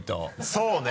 そうね。